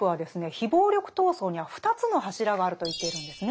非暴力闘争には２つの柱があると言っているんですね。